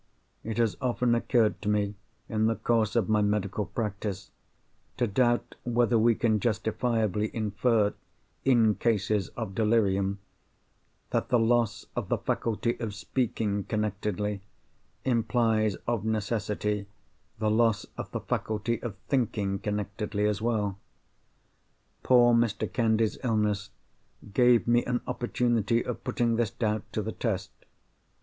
It has often occurred to me in the course of my medical practice, to doubt whether we can justifiably infer—in cases of delirium—that the loss of the faculty of speaking connectedly, implies of necessity the loss of the faculty of thinking connectedly as well. Poor Mr. Candy's illness gave me an opportunity of putting this doubt to the test.